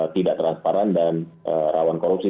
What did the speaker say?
tidak transparan dan rawan korupsi